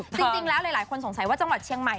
จริงแล้วหลายคนสงสัยว่าจังหวัดเชียงใหม่